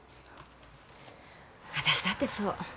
私だってそう。